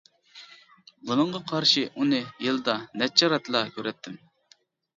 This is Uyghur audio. بۇنىڭغا قارشى ئۇنى يىلدا نەچچە رەتلا كۆرەتتىم.